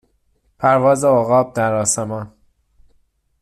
پرواز عقاب در آسمان